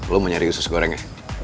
lo mau nyari usus goreng ya